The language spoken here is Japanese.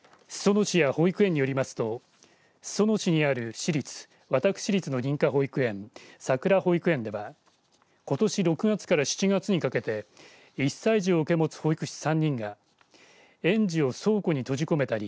裾野市や保育園によりますと裾野市にある私立の認可保育園さくら保育園ではことし６月から７月にかけて１歳児を受け持つ保育士３人が園児を倉庫に閉じ込めたり